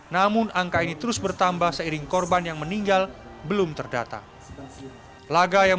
namun angka ini terus bertambah seiring korban yang meninggal belum terdata laga yang